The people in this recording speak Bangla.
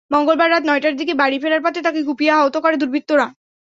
মঙ্গলবার রাত নয়টার দিকে বাড়ি ফেরার পথে তাঁকে কুপিয়ে আহত করে দুর্বৃত্তরা।